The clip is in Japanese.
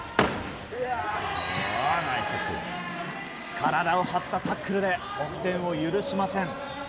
体を張ったタックルで得点を許しません。